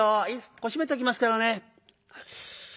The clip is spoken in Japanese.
ここ閉めときますからね」。